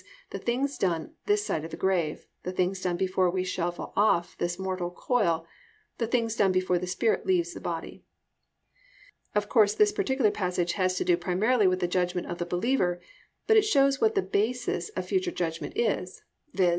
the things done this side the grave, the things done before we shuffle off this mortal coil, the things done before the spirit leaves the body. Of course, this particular passage has to do primarily with the judgment of the believer, but it shows what the basis of future judgment is, viz.